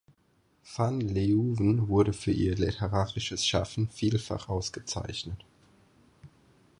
Van Leeuwen wurde für ihr literarisches Schaffen vielfach ausgezeichnet.